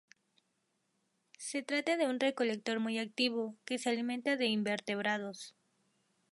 Se trata de un recolector muy activo, que se alimenta de invertebrados.